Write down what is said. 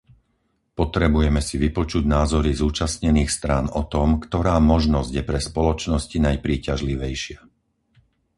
Potrebujeme si vypočuť názory zúčastnených strán o tom, ktorá možnosť je pre spoločnosti najpríťažlivejšia.